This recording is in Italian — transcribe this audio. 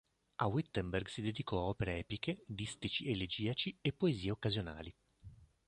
A Wittenberg si dedicò a opere epiche, distici elegiaci e poesie occasionali.